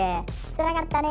つらかったね。